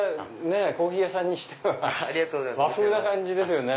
コーヒー屋さんにしては和風な感じですよね。